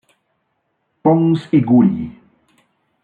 Pons i Guri.